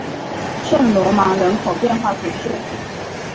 圣罗芒人口变化图示